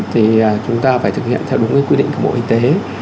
thì chúng ta phải thực hiện theo đúng cái quy định của bộ y tế